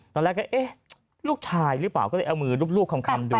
ตอนแรกก็เอ๊ะลูกชายหรือเปล่าก็เลยเอามือรูปคำดู